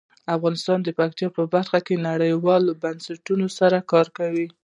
افغانستان د پکتیا په برخه کې نړیوالو بنسټونو سره کار کوي.